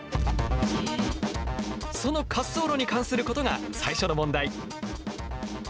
その滑走路に関することが最初の問題。